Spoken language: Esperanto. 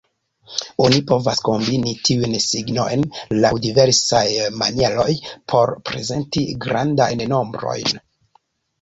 Oni povas kombini tiujn signojn laŭ diversaj manieroj por prezenti grandajn nombrojn.